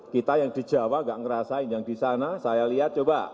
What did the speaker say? kita yang di jawa gak ngerasain yang di sana saya lihat coba